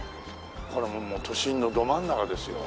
これもう都心のど真ん中ですよ。